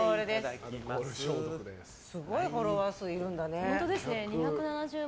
すごいフォロワー数いるんだね。